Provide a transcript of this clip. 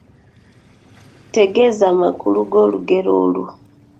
Tegeeza amakulu g'olugero olwo.